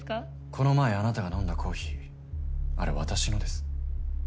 この前あなたが飲んだコーヒーあれ私のです。